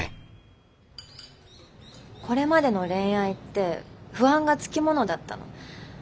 これまでの恋愛って不安が付き物だったの。